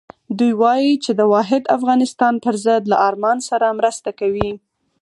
دوی وایي چې د واحد افغانستان پر ضد له ارمان سره مرسته کوي.